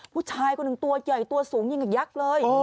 ผู้ชายคนหนึ่งตัวใหญ่ตัวสูงยิงกับยักษ์เลย